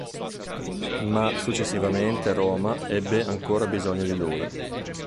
Ma successivamente Roma ebbe ancora bisogno di lui.